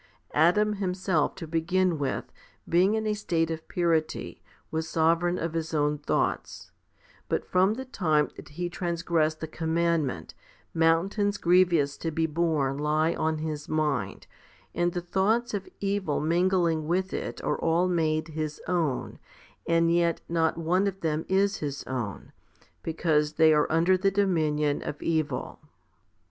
Adam himself to begin with, being in a state of purity, was sovereign of his own thoughts ; but from the time that he transgressed the commandment, mountains grievous to be borne lie on his mind, and the thoughts of evil mingling with it are all made his own, and yet not one of them is his own, because they are under the dominion of evil.